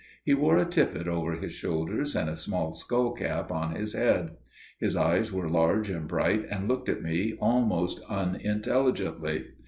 He wore a tippet over his shoulders and a small skull cap on his head. His eyes were large and bright, and looked at me almost unintelligently.